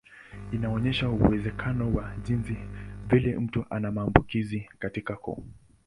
Inaonyesha uwezekano wa jinsi vile mtu ana maambukizi katika koo.